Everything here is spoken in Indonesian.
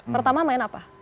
pertama main apa